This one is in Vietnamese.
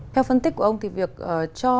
theo phân tích của ông thì việc cho